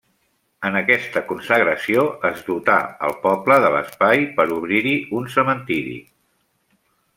En aquesta consagració es dotà el poble de l'espai per a obrir-hi cementiri.